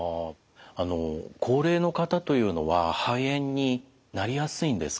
あの高齢の方というのは肺炎になりやすいんですか？